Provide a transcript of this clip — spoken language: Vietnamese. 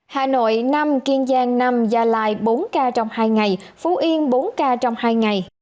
hà nội năm kiên giang năm gia lai bốn ca trong hai ngày phú yên bốn ca trong hai ngày